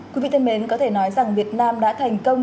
quý vị thân mến có thể nói rằng việt nam đã thành công